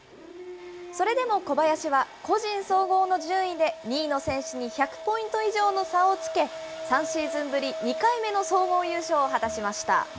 それでも小林は、個人総合の順位で２位の選手に１００ポイント以上の差をつけ、３シーズンぶり２回目の総合優勝を果たしました。